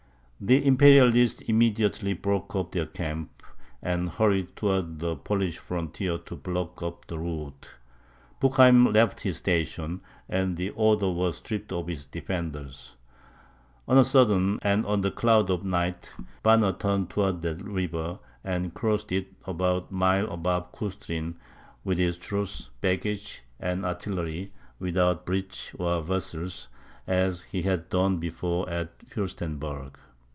The Imperialists immediately broke up their camp, and hurried towards the Polish frontier to block up the route; Bucheim left his station, and the Oder was stripped of its defenders. On a sudden, and under cloud of night, Banner turned towards that river, and crossed it about a mile above Custrin, with his troops, baggage, and artillery, without bridges or vessels, as he had done before at Furstenberg.